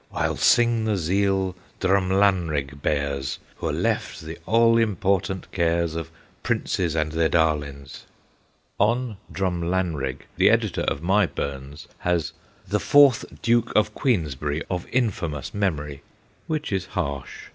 4 1 '11 sing the zeal Drumlanrig bears, Wha left the all important cares Of Princes and their darlin's,' DENUNCIATIONS 65 on ' Lrumlanrig ' the editor of my Burns has 'the fourth Duke of Queensberry, of infamous memory/ which is harsh.